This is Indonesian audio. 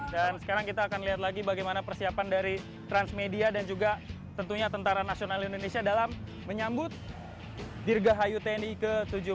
dan sekarang kita akan lihat lagi bagaimana persiapan dari transmedia dan juga tentunya tentara nasional indonesia dalam menyambut dirgahayu tni ke tujuh puluh dua